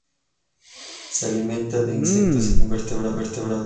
Se alimenta de insectos y pequeños invertebrados.